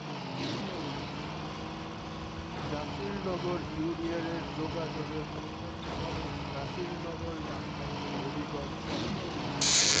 নাসিরনগর ইউনিয়নে যোগাযোগের প্রধান সড়ক সরাইল-নাসিরনগর-লাখাই-হবিগঞ্জ সড়ক।